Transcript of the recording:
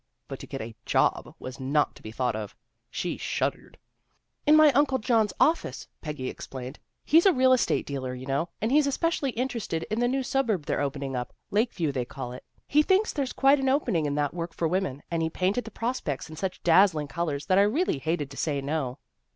But to get a job was not to be thought of. She shuddered. " In my Uncle John's office," Peggy ex plained. " He's a real estate dealer, you know, and he's especially interested in the new suburb they're opening up, Lakeview, they call it. He thinks there's quite an opening in that work for women, and he painted the prospects in such dazzling colors that I really hated to say no."